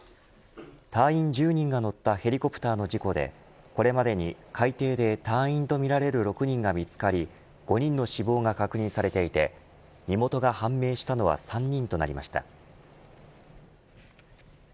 隊員１０人が乗ったヘリコプターの事故でこれまでに海底で隊員と見られる６人が見つかり５人の死亡が確認されていて身元が判明したのは３人となりました。